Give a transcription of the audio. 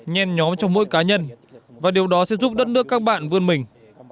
nhen nhóm cho mỗi cá nhân và điều đó sẽ giúp đất nước các bạn vươn mình